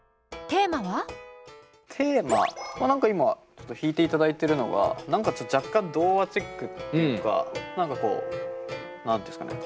テーマ何か今ちょっと弾いていただいているのが何かちょっと若干童話チックっていうか何かこう何て言うんですかね。